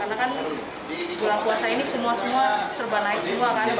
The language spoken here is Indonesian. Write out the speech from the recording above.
semua akan dibangun